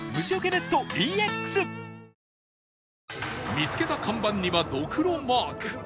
見つけた看板にはどくろマーク